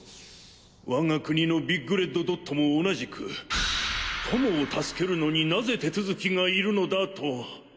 我が国のビッグ・レッド・ドットも同じく「友を助けるのに何故手続きが要るのだ！」と。